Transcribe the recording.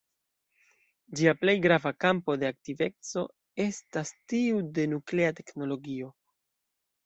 Ĝia plej grava kampo de aktiveco estas tiu de nuklea teknologio.